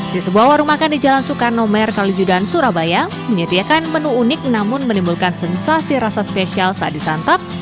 di sebuah warung makan di jalan soekarno mer kalijudan surabaya menyediakan menu unik namun menimbulkan sensasi rasa spesial saat disantap